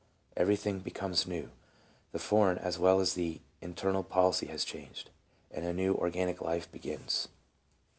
Every thing becomes new, the foreign as well as the internal policy has changed, and a new organic life begins.